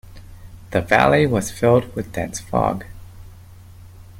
The valley was filled with dense fog.